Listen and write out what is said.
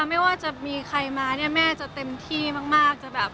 ไม่ว่าจะมีใครมาแม่จะเต็มที่มาก